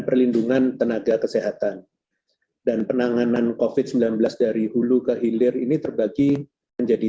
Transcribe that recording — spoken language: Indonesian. perlindungan tenaga kesehatan dan penanganan covid sembilan belas dari hulu ke hilir ini terbagi menjadi